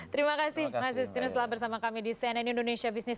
terima kasih mas justinus telah bersama kami di cnn indonesia business